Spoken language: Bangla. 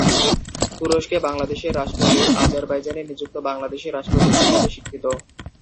তুরস্কে বাংলাদেশের রাষ্ট্রদূত আজারবাইজানে নিযুক্ত বাংলাদেশের রাষ্ট্রদূত হিসাবে স্বীকৃত।